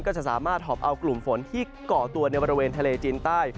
จะสามารถหอบเอากลุ่มฝนที่เกาะตัวในบริเวณทะเลจีนใต้